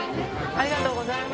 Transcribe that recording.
ありがとうございます。